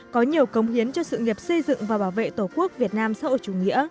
có nhiều cống hiến cho sự nghiệp xây dựng và bảo vệ tổ quốc việt nam sâu chủ nghĩa